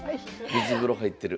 水風呂入ってる。